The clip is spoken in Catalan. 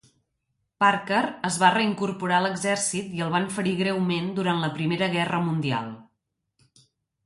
Parker es va reincorporar a l'exercit i el van ferir greument durant la Primera Gerra Mundial.